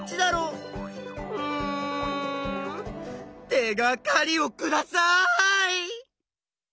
手がかりをください！